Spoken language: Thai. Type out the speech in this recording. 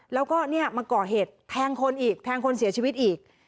แล้วก็เนี่ยมาก่อเหตุแทงคนอีกแทงคนเสียชีวิตอีก